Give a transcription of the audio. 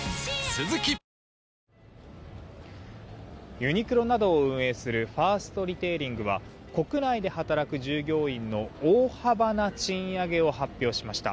ユニクロなどを運営するファーストリテイリングは国内で働く従業員の大幅な賃上げを発表しました。